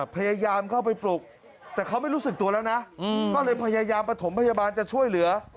พยายามเข้าไปปลุกแต่เขาไม่รู้สึกตัวแล้วนะก็เลยพยายามประถมพยาบาลจะช่วยเหลือ